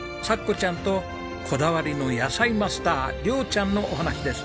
ちゃんとこだわりの野菜マスター亮ちゃんのお話です。